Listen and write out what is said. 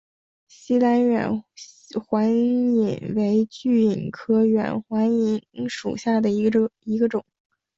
栖兰远环蚓为巨蚓科远环蚓属下的一个种。